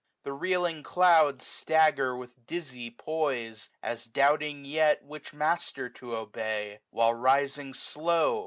The reeling clouds Stagger with dizzy poise, as doubting yet Which master to obey : while rising slow.